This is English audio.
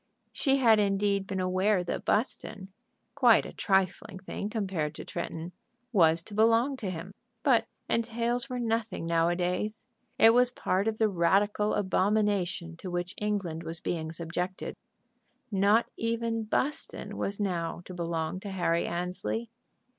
She had indeed been aware that Buston, quite a trifling thing compared to Tretton, was to belong to him. But entails were nothing nowadays. It was part of the radical abomination to which England was being subjected. Not even Buston was now to belong to Harry Annesley.